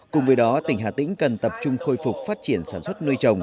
cùng với đó tỉnh hà tĩnh cần tập trung khôi phục phát triển sản xuất nuôi trồng